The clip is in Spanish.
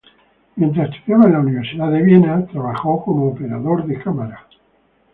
Mientras estudiaba en la Universidad de Viena trabajó como operador de cámara.